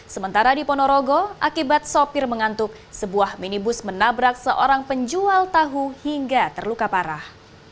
sementara di ponorogo akibat sopir mengantuk sebuah minibus menabrak seorang penjual tahu hingga terluka parah